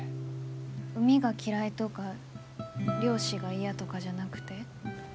海が嫌いとか漁師が嫌とかじゃなくて？